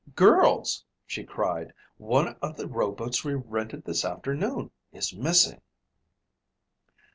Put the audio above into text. "Girls," she cried, "One of the rowboats we rented this afternoon is missing!"